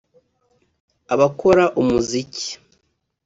abakora umuziki